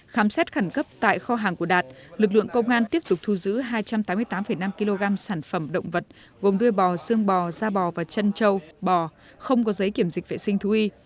khám xét khẩn cấp tại kho hàng của đạt lực lượng công an tiếp tục thu giữ hai trăm tám mươi tám năm kg sản phẩm động vật gồm đôi bò xương bò da bò và chân trâu bò không có giấy kiểm dịch vệ sinh thú y